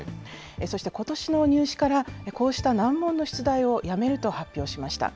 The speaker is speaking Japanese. そしてことしの入試から、こうした難問の出題をやめると発表しました。